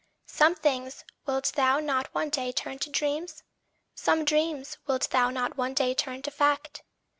Some things wilt thou not one day turn to dreams? Some dreams wilt thou not one day turn to fact?